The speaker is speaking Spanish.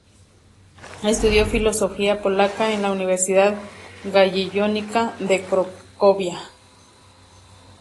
Estudió filología polaca en la Universidad Jagellónica de Cracovia.